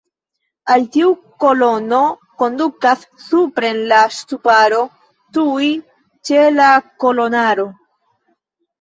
Al tiu kolono kondukas supren la ŝtuparo tuj ĉe la kolonaro.